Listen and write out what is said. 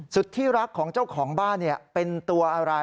สุดที่รักของเจ้าของบ้านเป็นตัวอะไร